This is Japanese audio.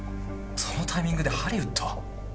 そのタイミングでハリウッド？